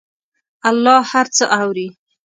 الله هر څه اوري.